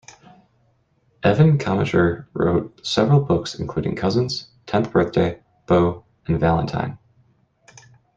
Evan Commager wrote several books, including "Cousins", "Tenth Birthday", "Beaux" and "Valentine.